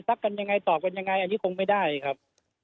กันยังไงตอบกันยังไงอันนี้คงไม่ได้ครับ